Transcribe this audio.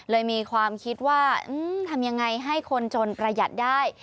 มีความคิดว่าทำยังไงให้คนจนประหยัดได้